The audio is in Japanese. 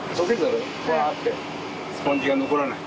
スポンジが残らない。